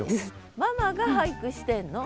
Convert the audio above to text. ママが俳句してんの？